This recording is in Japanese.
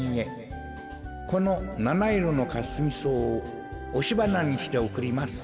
このなないろのカスミソウをおしばなにしておくります。